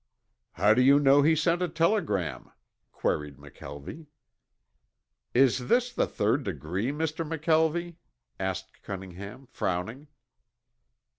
"How do you know he sent a telegram?" queried McKelvie. "Is this the third degree, Mr. McKelvie?" asked Cunningham, frowning.